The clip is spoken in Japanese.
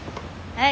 はい。